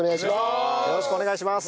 よろしくお願いします。